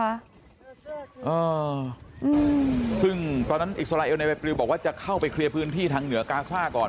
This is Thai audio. อ่าอืมซึ่งตอนนั้นอิสราเอลในใบปลิวบอกว่าจะเข้าไปเคลียร์พื้นที่ทางเหนือกาซ่าก่อน